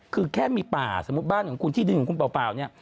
คือแค่มีป่าสมมุติบ้านของคุณที่ดินของคุณเปล่าเนี่ย